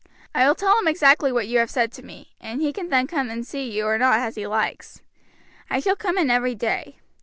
I will tell him exactly what you have said to me, and he can then come and see you or not as he likes. I shall come in every day.